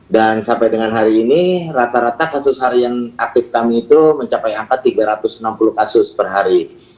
dan sampai dengan hari ini rata rata kasus hari yang aktif kami itu mencapai hampir tiga ratus enam puluh kasus per hari